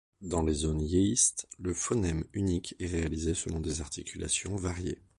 Dans les zones yeístes, le phonème unique est réalisé selon des articulations variées.